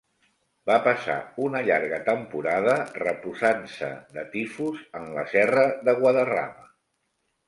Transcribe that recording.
Va passar una llarga temporada reposant-se de tifus en la Serra de Guadarrama.